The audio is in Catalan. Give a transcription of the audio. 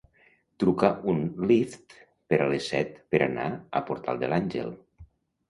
Truca un Lyft per a les set per anar a Portal de l'Àngel.